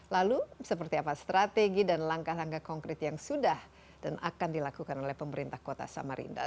lalu seperti apa strategi dan langkah langkah konkret yang sudah dan akan dilakukan oleh pemerintah kota samarinda